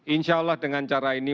insyaallah dengan cara ini